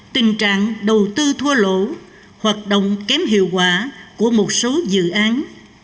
tình trạng đầu tiên